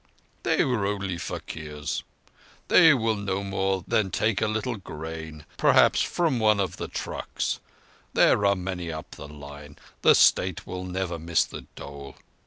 "They were only faquirs. They will no more than take a little grain, perhaps, from one of the trucks. There are many up the line. The State will never miss the dole.